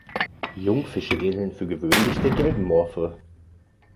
Jungfische ähneln für gewöhnlich der gelben Morphe.